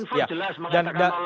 kominfo jelas mengatakan menolak